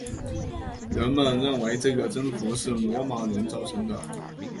人们认为这个增幅是罗马人造成的。